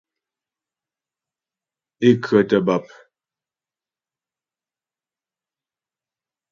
Ě khə́tə̀ bàp.